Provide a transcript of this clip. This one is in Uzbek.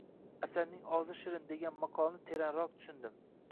Asalning ozi shirin, degan maqolni teranroq tushundim